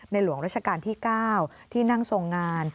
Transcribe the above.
หลวงราชการที่๙ที่นั่งทรงงาน